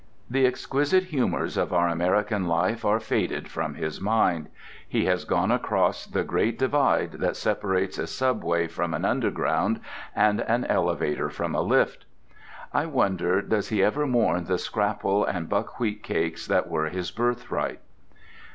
The exquisite humours of our American life are faded from his mind. He has gone across the great divide that separates a subway from an underground and an elevator from a lift. I wonder does he ever mourn the scrapple and buckwheat cakes that were his birthright?